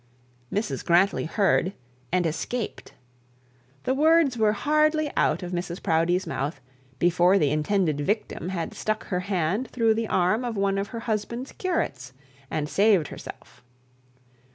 Mrs Grantly heard and escaped. The words were hardly out of Mrs Proudie's mouth, before the intended victim had stuck her hand through the arm of one of her husband's curates, and saved herself.